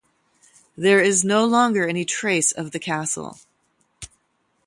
There is no longer any trace of the castle.